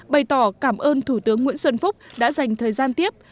bày tỏ cảm ơn thủ tướng nguyễn xuân phúc đã dành thời gian tiếp